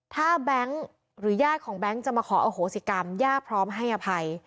ถ้าแบงค์หรือญาติของแบงค์จะมาขออโหสิกรรมย่าพร้อมให้อภัย